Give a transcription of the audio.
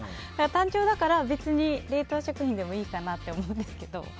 単調だから別に冷凍食品でもいいかなって思うんですけど。